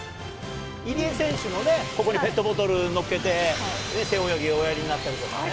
入江選手も頭にペットボトルを乗っけて背泳ぎをおやりになったりとか。